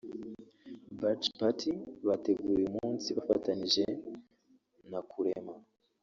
Barge Party bateguye uyu munsi bafatanyije na ‘Kurema